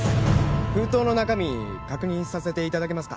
封筒の中身確認させていただけますか？